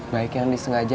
baik yang disengaja